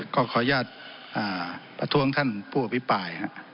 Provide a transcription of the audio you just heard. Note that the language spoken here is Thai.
ก็ขออนุญาตประท้วงท่านผู้อภิปราย